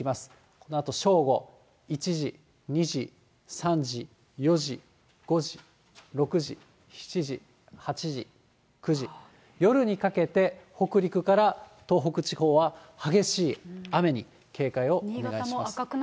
このあと正午、１時、２時、３時、４時、５時、６時、７時、８時、９時、夜にかけて、北陸から東北地方は激しい雨に警戒をお願いします。